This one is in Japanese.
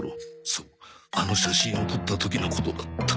そうあの写真を撮った時のことだった。